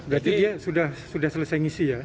jadi dia sudah selesai ngisi ya